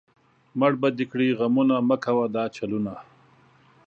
مړ به دې کړي غمونه، مۀ کوه دا چلونه